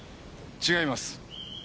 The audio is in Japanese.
違います。